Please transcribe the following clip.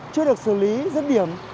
chưa được xử lý dứt điểm